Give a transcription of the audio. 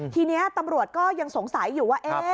ทีนี้ตำรวจก็ยังสงสัยอยู่ว่า